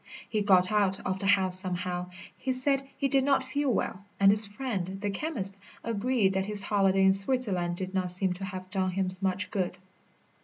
He got out of the house somehow. He said he did not feel well, and his friend, the chemist, agreed that his holiday in Switzerland did not seem to have done him much good.